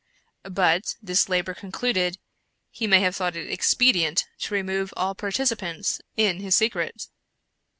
But this labor concluded, he may have thought it expedient to remove all participants in his secret.